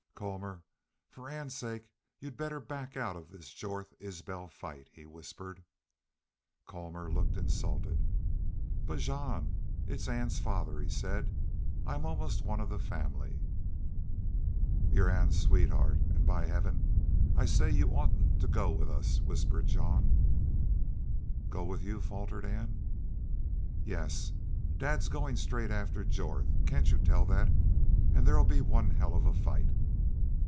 "Colmor, for Ann's sake you'd better back out of this Jorth Isbel fight," he whispered. Colmor looked insulted. "But, Jean, it's Ann's father," he said. "I'm almost one of the family." "You're Ann's sweetheart, an', by Heaven, I say you oughtn't to go with us!" whispered Jean. "Go with you," faltered Ann. "Yes. Dad is goin' straight after Jorth. Can't you tell that? An' there 'll be one hell of a fight."